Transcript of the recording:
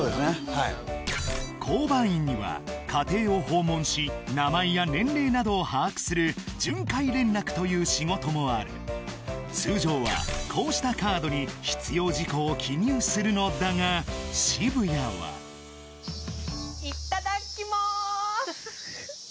はい交番員には家庭を訪問し名前や年齢などを把握する巡回連絡という仕事もある通常はこうしたカードに必要事項を記入するのだが渋谷はいっただきます